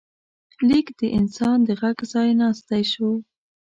لیک د انسان د غږ ځای ناستی شو.